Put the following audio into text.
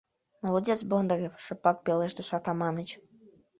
— Молодец, Бондарев! — шыпак пелештыш Атаманыч.